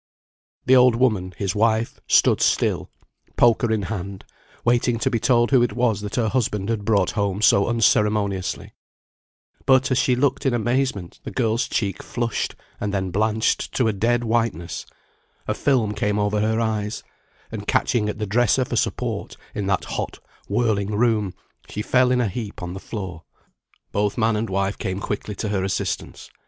The old woman, his wife, stood still, poker in hand, waiting to be told who it was that her husband had brought home so unceremoniously; but, as she looked in amazement the girl's cheek flushed, and then blanched to a dead whiteness; a film came over her eyes, and catching at the dresser for support in that hot whirling room, she fell in a heap on the floor. Both man and wife came quickly to her assistance.